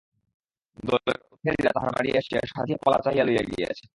দলের অধিকারীরা তাহার বাড়ি আসিয়া সাধিয়া পালা চাহিয়া লইয়া গিয়াছে।